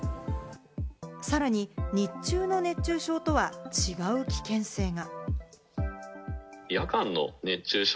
さらに日中の熱中症とは違う危険性が。